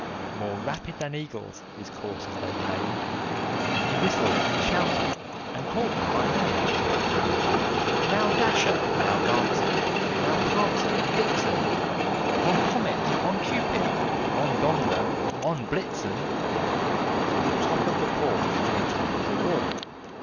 More rapid than eagles his coursers they came, And he whistled, and shouted, and called them by name: "Now, Dasher! now, Dancer! now, Prancer and Vixen! On, Comet! on, Cupid! on, Donder and Blitzen! To the top of the porch! to the top of the wall!